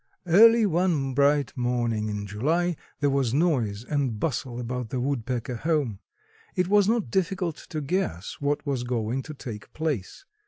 Early one bright morning in July there was noise and bustle about the woodpecker home. It was not difficult to guess what was going to take place.